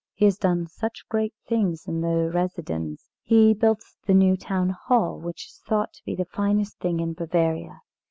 He has done such great things in the Residenz. He built the new Town Hall, which is thought to be the finest thing in Bavaria.